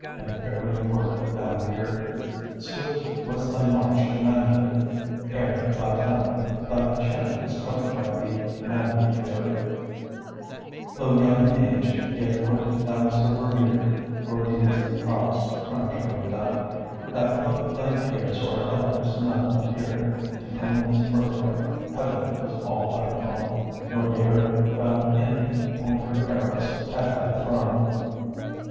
and fairly wert thou reared: Swift was thy march to manhood: ere thy time Thy chin was covered by the manly beard; Though young in age, yet wert thou so revered For deeds of prowess prematurely done, That of thy peers or elders none appeared To claim his birthright; heaven was all thine own, Nor dared fell Envy point her arrows at thy throne.